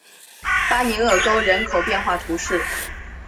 巴尼厄沟人口变化图示